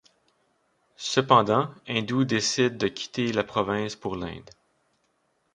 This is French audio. Cependant, hindous décident de quitter la province pour l'Inde.